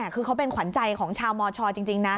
คือเขาเป็นขวัญใจของชาวมชจริงนะ